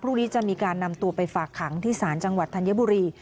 พรุ่งนี้จะมีการนำตัวไปฝากขังที่ศาลจังหวัดธัญบุรี